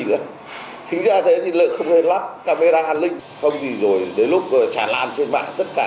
nữa thính ra thế thì lại không nên lắp camera an ninh không thì rồi đến lúc tràn lan trên mạng tất cả